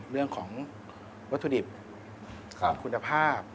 เรื่องของวัตถุดิบคุณภาพ